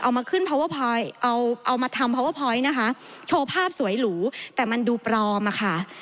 เอามาขึ้นเอาเอามาทำนะคะโชว์ภาพสวยหรูแต่มันดูปลอมอ่ะค่ะ